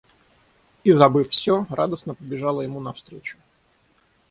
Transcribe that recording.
И забыв всё, радостно побежала ему навстречу.